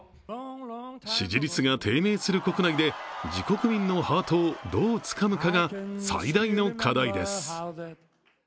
支持率が低迷する国内で自国民のハートをどうつかむかが最大の課題です。